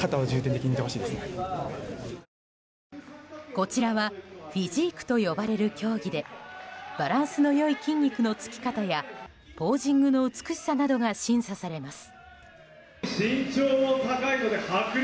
こちらはフィジークと呼ばれる競技でバランスのいい筋肉のつき方やポージングの美しさなどが審査されます。